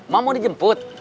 mak mau dijemput